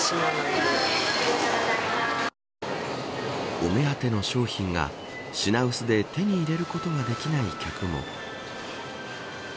お目当ての商品が品薄で手に入れることができない客も。